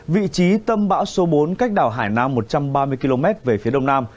vị trí tâm bão số bốn cách đảo hải nam một trăm ba mươi km về phía đông nam